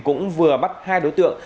cũng vừa bắt hai đối tượng